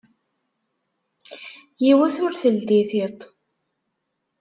Yiwet ur teldi tiṭ.